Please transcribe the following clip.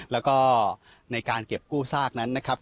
แล้วก็ในการเก็บกู้ซากนั้นนะครับ